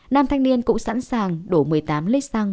nam thanh niên cũng sẵn sàng đổ một mươi tám lít xăng